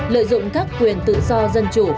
lợi dụng các quyền tự do dân chủ